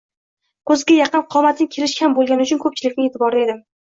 Ko‘zga yaqin, qomatim kelishgan bo‘lgani uchun ko‘pchilikning e'tiborida edim